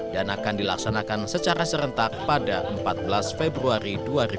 dan akan dilaksanakan secara serentak pada empat belas februari dua ribu dua puluh empat